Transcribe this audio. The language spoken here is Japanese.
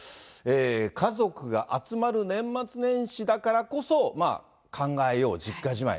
家族が集まる年末年始だからこそ、考えよう、実家じまい。